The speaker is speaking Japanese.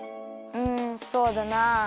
うんそうだな。